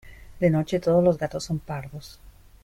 De noche todos los gatos son pardos.